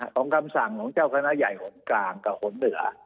คำสั่งของเจ้าคณะใหญ่หนกลางกับหนเหนือ